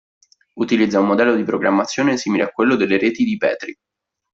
Utilizza un modello di programmazione simile a quello delle reti di Petri.